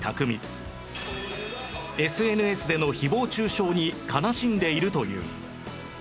ＳＮＳ での誹謗中傷に悲しんでいるという